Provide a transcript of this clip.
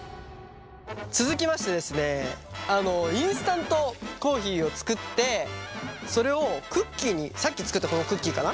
続きましてですねインスタントコーヒーを作ってそれをクッキーにさっき作ったこのクッキーかな？